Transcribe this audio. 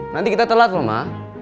nanti kita telat loh ma